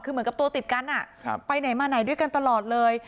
คือเหมือนกับตัวติดกันไปไหนมาไหนด้วยกันตลอดเลย